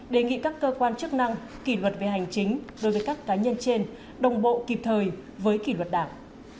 đề nghị các cơ quan chức năng kỷ luật về hành chính đối với các cá nhân trên đồng bộ kịp thời với kỷ luật đảng